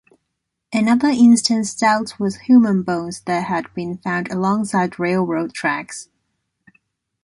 Another instance dealt with human bones that had been found alongside railroad tracks.